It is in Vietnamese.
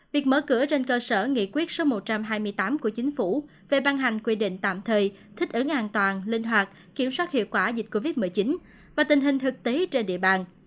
việc mở cửa trên cơ sở nghị quyết số một trăm hai mươi tám của chính phủ về ban hành quy định tạm thời thích ứng an toàn linh hoạt kiểm soát hiệu quả dịch covid một mươi chín và tình hình thực tế trên địa bàn